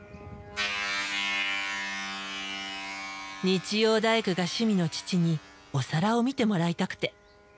日曜大工が趣味の父にお皿を見てもらいたくて。